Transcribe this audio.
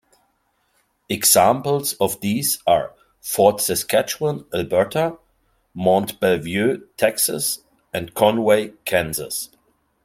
Examples of these are Fort Saskatchewan, Alberta; Mont Belvieu, Texas; and Conway, Kansas.